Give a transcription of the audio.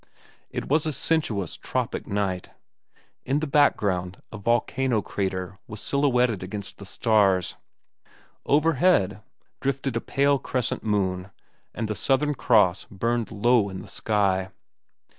It was a sensuous, tropic night. In the background a volcano crater was silhouetted against the stars. Overhead drifted a pale crescent moon, and the Southern Cross burned low in the sky.